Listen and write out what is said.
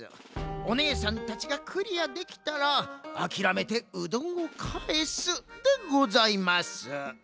おねえさんたちがクリアできたらあきらめてうどんをかえすでございます。